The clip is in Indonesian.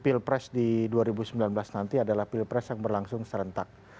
pil pres di dua ribu sembilan belas nanti adalah pil pres yang berlangsung serentak